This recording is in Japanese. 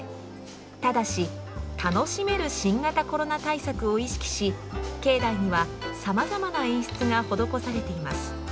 ただし、楽しめる新型コロナ対策を意識し、境内にはさまざまな演出が施されています。